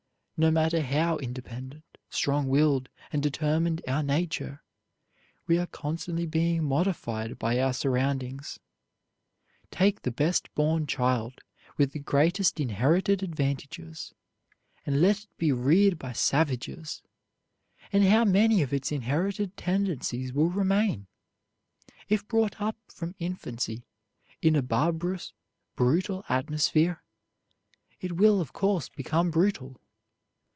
No matter how independent, strong willed, and determined our nature, we are constantly being modified by our surroundings. Take the best born child, with the greatest inherited advantages, and let it be reared by savages, and how many of its inherited tendencies will remain? If brought up from infancy in a barbarous, brutal atmosphere, it will, of course, become brutal.